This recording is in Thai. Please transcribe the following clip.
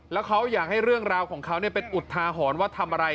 แล้วเขาอยากให้เรื่องราวของเขาเป็นอุทาหรณ์ว่าทำอะไร